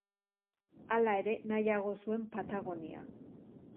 Hala ere, nahiago zuen Patagonia.